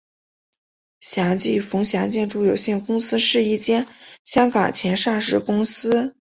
祥记冯祥建筑有限公司是一间香港前上市公司。